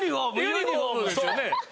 ユニホームですよね。